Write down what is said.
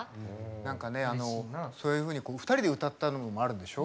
なんかそういうふうに２人で歌ったのもあるんでしょ？